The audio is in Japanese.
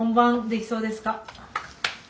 できそうです。